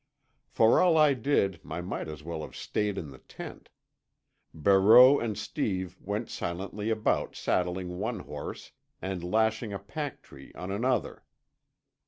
For all I did I might as well have stayed in the tent. Barreau and Steve went silently about saddling one horse and lashing a pack tree on another.